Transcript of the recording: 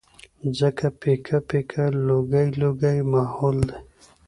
څه پيکه پيکه لوګی لوګی ماحول دی